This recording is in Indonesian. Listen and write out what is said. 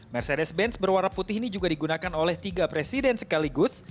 mercedes benz berwarna putih ini juga digunakan oleh tiga presiden sekaligus